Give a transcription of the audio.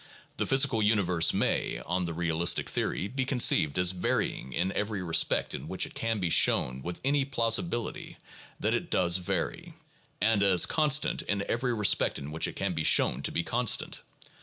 The physical universe may, on the realistic theory, be conceived as varying in every respect in which it can be shown with any plausibility that it does vary, and as constant in every respect in which it can be shown to be constant.